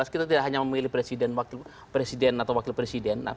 kita tidak hanya memilih presiden atau wakil presiden